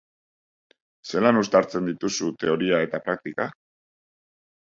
Zelan uztartzen dituzu teoria eta praktika?